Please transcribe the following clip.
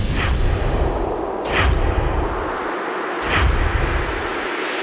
เคี่ยง